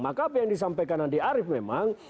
maka apa yang disampaikan andi arief memang